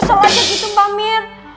kesel aja gitu mbak mir